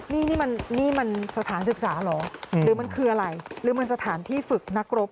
นี่นี่มันสถานศึกษาเหรอหรือมันคืออะไรหรือมันสถานที่ฝึกนักรบ